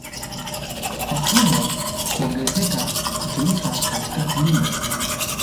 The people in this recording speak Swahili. Watumwa kuongezeka kutumika katika kilimo